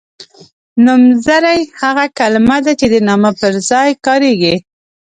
نومځری هغه کلمه ده چې د نامه پر ځای کاریږي.